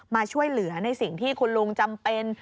มาช่วยเหลือในสิ่งที่คุณลุงจำเป็น